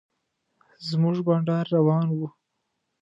زموږ بنډار روان و.